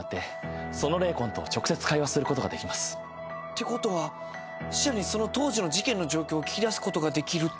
私は。ってことは死者にその当時の事件の状況を聞き出すことができるってことですか？